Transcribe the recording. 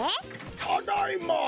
・ただいま！